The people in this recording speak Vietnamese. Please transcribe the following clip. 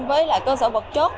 với cơ sở vật chất